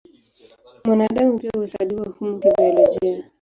Mwanadamu pia huhesabiwa humo kibiolojia.